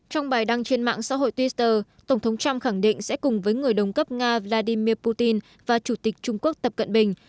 trong bài đăng trên mạng xã hội twitter tổng thống trump khẳng định sẽ cùng với người đồng cấp nga vladimir putin và chủ tịch trung quốc tập cận bình